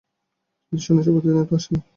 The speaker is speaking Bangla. কিন্তু, সন্ন্যাসী প্রতিদিনই তো আসে না।